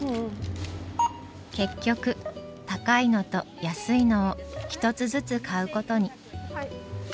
結局高いのと安いのを１つずつ買うことに。